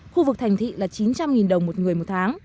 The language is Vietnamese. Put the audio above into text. khu vực thành thị là chín trăm linh đồng một người một tháng